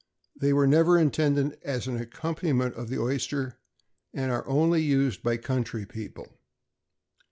They were never intended as an accompaniment of the oyster, and are only used by country people.